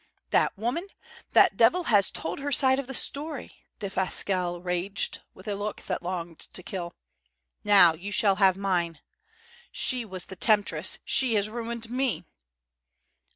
"That woman that devil has told her side of the story!" Defasquelle raged, with a look that longed to kill. "Now you shall have mine. She was the temptress. She has ruined me."